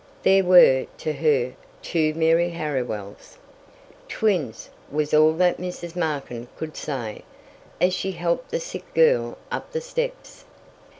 There were, to her, two Mary Harriwells! "Twins!" was all that Mrs. Markin could say, as she helped the sick girl up the steps.